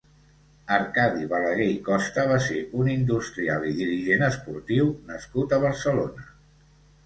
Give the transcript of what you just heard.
Arcadi Balaguer i Costa va ser un industrial i dirigent esportiu nascut a Barcelona.